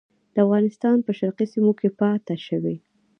د افغانستان په شرقي سیمو کې پاته شوي.